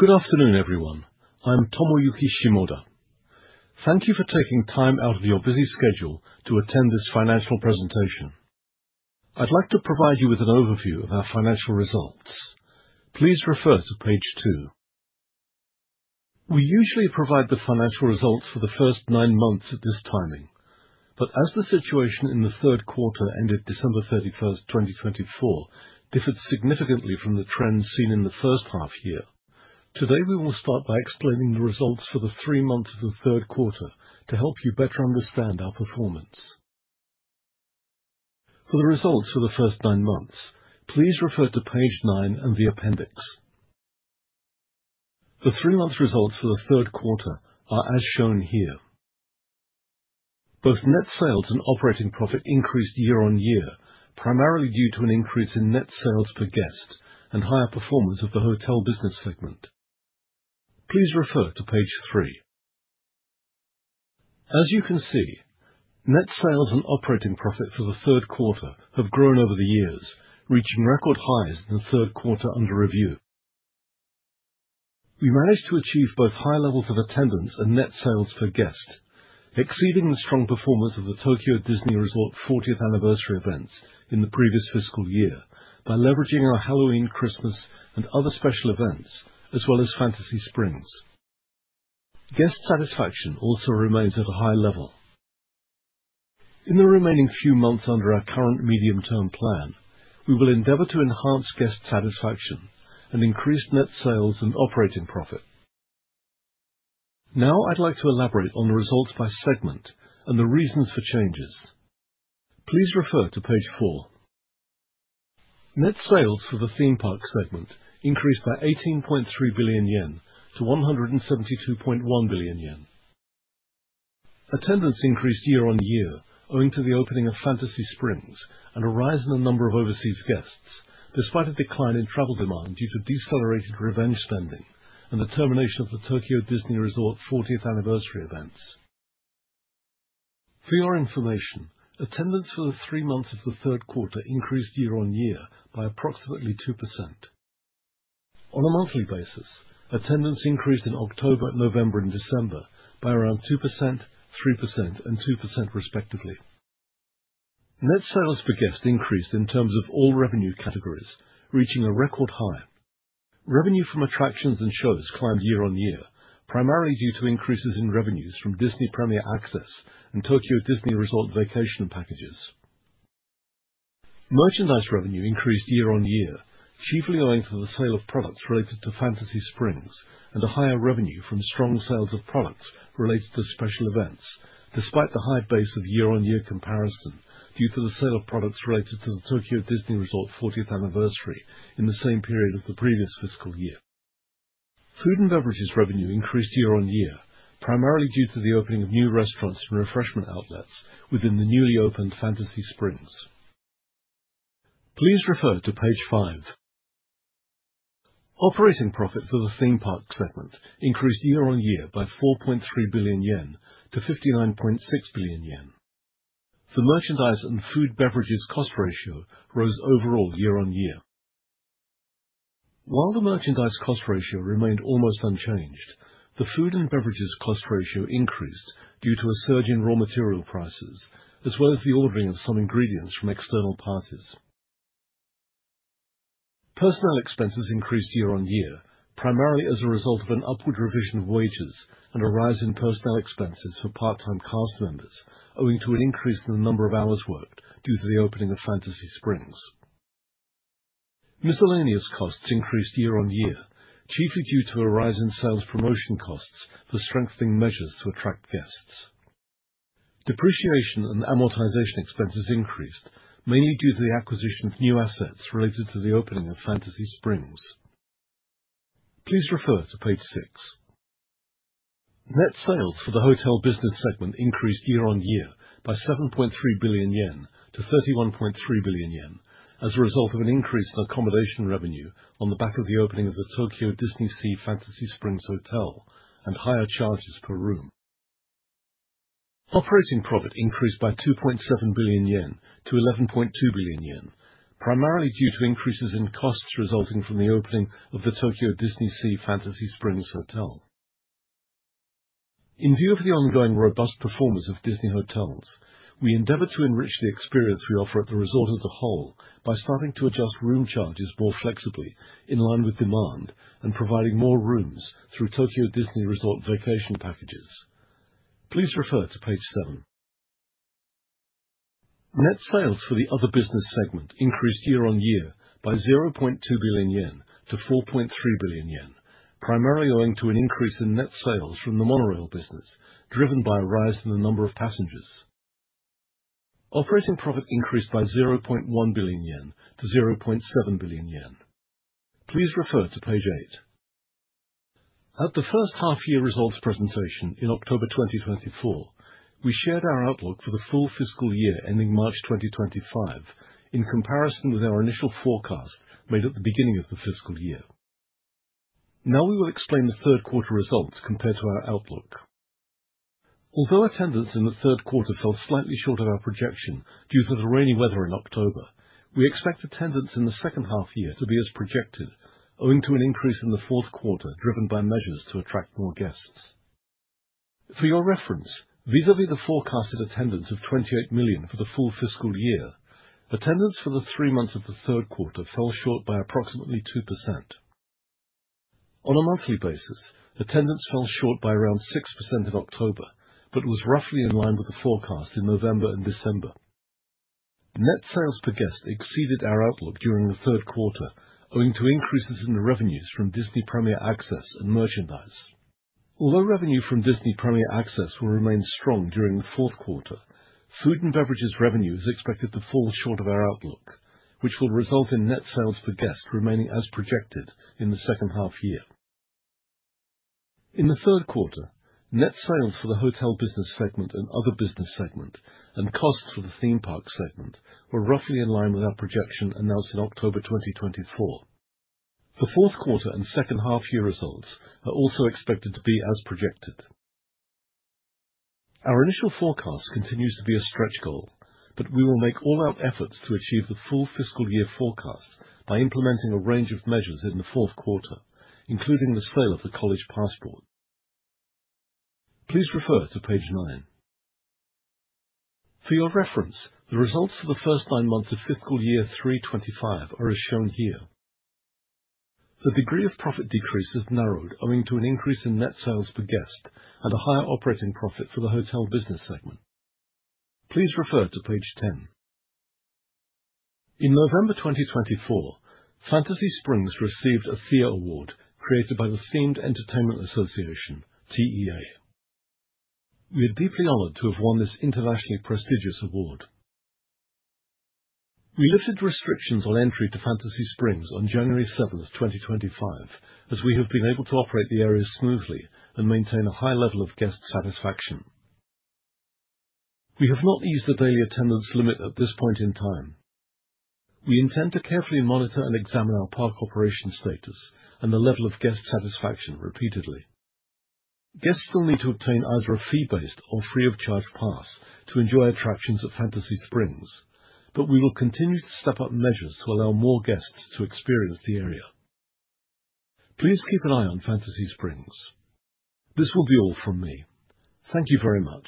Good afternoon, everyone. I'm Tomoyuki Shimoda. Thank you for taking time out of your busy schedule to attend this financial presentation. I'd like to provide you with an overview of our financial results. Please refer to page 2. We usually provide the financial results for the first nine months at this timing, but as the situation in the third quarter ended December 31, 2024, differed significantly from the trends seen in the first half year, today we will start by explaining the results for the three months of the third quarter to help you better understand our performance. For the results for the first nine months, please refer to page 9 and the appendix. The three-month results for the third quarter are as shown here. Both net sales and operating profit increased year-on-year, primarily due to an increase in net sales per guest and higher performance of the hotel business segment. Please refer to page 3. As you can see, net sales and operating profit for the third quarter have grown over the years, reaching record highs in the third quarter under review. We managed to achieve both high levels of attendance and net sales per guest, exceeding the strong performance of the Tokyo Disney Resort 40th Anniversary events in the previous fiscal year by leveraging our Halloween, Christmas, and other special events, as well as Fantasy Springs. Guest satisfaction also remains at a high level. In the remaining few months under our current medium-term plan, we will endeavor to enhance guest satisfaction and increase net sales and operating profit. Now, I'd like to elaborate on the results by segment and the reasons for changes. Please refer to page 4. Net sales for the theme park segment increased by 18.3 billion yen to 172.1 billion yen. Attendance increased year-on-year owing to the opening of Fantasy Springs and a rise in the number of overseas guests, despite a decline in travel demand due to decelerated revenge spending and the termination of the Tokyo Disney Resort 40th Anniversary events. For your information, attendance for the three months of the third quarter increased year-on-year by approximately 2%. On a monthly basis, attendance increased in October, November, and December by around 2%, 3%, and 2% respectively. Net sales per guest increased in terms of all revenue categories, reaching a record high. Revenue from attractions and shows climbed year-on-year, primarily due to increases in revenues from Disney Premier Access and Tokyo Disney Resort Vacation Packages. Merchandise revenue increased year-on-year, chiefly owing to the sale of products related to Fantasy Springs and a higher revenue from strong sales of products related to special events, despite the high base of year-on-year comparison due to the sale of products related to the Tokyo Disney Resort 40th Anniversary in the same period of the previous fiscal year. Food and beverages revenue increased year-on-year, primarily due to the opening of new restaurants and refreshment outlets within the newly opened Fantasy Springs. Please refer to page 5. Operating profit for the theme park segment increased year-on-year by 4.3 billion yen to 59.6 billion yen. The merchandise and food and beverages cost ratio rose overall year-on-year. While the merchandise cost ratio remained almost unchanged, the food and beverages cost ratio increased due to a surge in raw material prices, as well as the ordering of some ingredients from external parties. Personnel expenses increased year-on-year, primarily as a result of an upward revision of wages and a rise in personnel expenses for part-time cast members, owing to an increase in the number of hours worked due to the opening of Fantasy Springs. Miscellaneous costs increased year-on-year, chiefly due to a rise in sales promotion costs for strengthening measures to attract guests. Depreciation and amortization expenses increased, mainly due to the acquisition of new assets related to the opening of Fantasy Springs. Please refer to page 6. Net sales for the hotel business segment increased year-on-year by 7.3 billion yen to 31.3 billion yen, as a result of an increase in accommodation revenue on the back of the opening of the Tokyo DisneySea Fantasy Springs Hotel and higher charges per room. Operating profit increased by 2.7 billion yen to 11.2 billion yen, primarily due to increases in costs resulting from the opening of the Tokyo DisneySea Fantasy Springs Hotel. In view of the ongoing robust performance of Disney Hotels, we endeavor to enrich the experience we offer at the resort as a whole by starting to adjust room charges more flexibly in line with demand and providing more rooms through Tokyo Disney Resort Vacation Packages. Please refer to page 7. Net sales for the other business segment increased year-on-year by 0.2 billion yen to 4.3 billion yen, primarily owing to an increase in net sales from the monorail business driven by a rise in the number of passengers. Operating profit increased by 0.1 billion yen to 0.7 billion yen. Please refer to page 8. At the first half-year results presentation in October 2024, we shared our outlook for the full fiscal year ending March 2025 in comparison with our initial forecast made at the beginning of the fiscal year. Now we will explain the third quarter results compared to our outlook. Although attendance in the third quarter fell slightly short of our projection due to the rainy weather in October, we expect attendance in the second half year to be as projected, owing to an increase in the fourth quarter driven by measures to attract more guests. For your reference, vis-à-vis the forecasted attendance of 28 million for the full fiscal year, attendance for the three months of the third quarter fell short by approximately 2%. On a monthly basis, attendance fell short by around 6% in October but was roughly in line with the forecast in November and December. Net sales per guest exceeded our outlook during the third quarter, owing to increases in the revenues from Disney Premier Access and merchandise. Although revenue from Disney Premier Access will remain strong during the fourth quarter, food and beverages revenue is expected to fall short of our outlook, which will result in net sales per guest remaining as projected in the second half year. In the third quarter, net sales for the hotel business segment and other business segment and costs for the theme park segment were roughly in line with our projection announced in October 2024. The fourth quarter and second half year results are also expected to be as projected. Our initial forecast continues to be a stretch goal, but we will make all-out efforts to achieve the full fiscal year forecast by implementing a range of measures in the fourth quarter, including the sale of the College Passport. Please refer to page 9. For your reference, the results for the first nine months of fiscal year 2025 are as shown here. The degree of profit decrease has narrowed owing to an increase in net sales per guest and a higher operating profit for the hotel business segment. Please refer to page 10. In November 2024, Fantasy Springs received a Thea Award created by the Themed Entertainment Association (TEA). We are deeply honored to have won this internationally prestigious award. We lifted restrictions on entry to Fantasy Springs on January 7, 2025, as we have been able to operate the area smoothly and maintain a high level of guest satisfaction. We have not eased the daily attendance limit at this point in time. We intend to carefully monitor and examine our park operation status and the level of guest satisfaction repeatedly. Guests will need to obtain either a fee-based or free-of-charge pass to enjoy attractions at Fantasy Springs, but we will continue to step up measures to allow more guests to experience the area. Please keep an eye on Fantasy Springs. This will be all from me. Thank you very much.